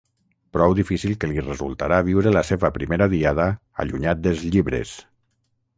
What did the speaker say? Prou difícil que li resultarà viure la seva primera diada allunyat dels llibres.